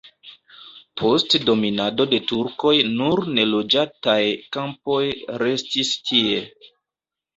Post dominado de turkoj nur neloĝataj kampoj restis tie.